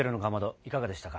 いかがでしたか。